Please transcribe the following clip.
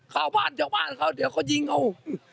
เข้าบ้านชาวบ้านเขาเดี๋ยวเขายิงเอา